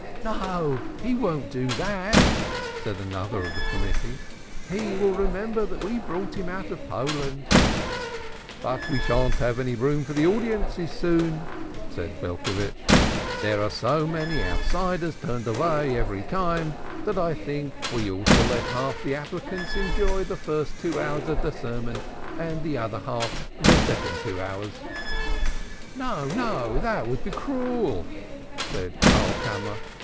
"No, he won't do that," said another of the Committee. "He will remember that we brought him out of Poland." "Yes, but we shan't have room for the audiences soon," said Belcovitch. "There are so many outsiders turned away every time that I think we ought to let half the applicants enjoy the first two hours of the sermon and the other half the second two hours." "No, no, that would be cruel," said Karlkammer.